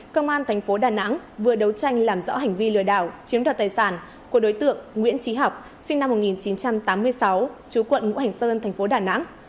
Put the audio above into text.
công an thành phố đà nẵng vừa đấu tranh làm rõ hành vi lừa đảo chiếm đoạt tài sản của đối tượng nguyễn trí học sinh năm một nghìn chín trăm tám mươi sáu chú quận ngũ hành sơn thành phố đà nẵng